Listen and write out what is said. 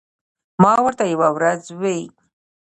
ما ورته یوه ورځ وې ـ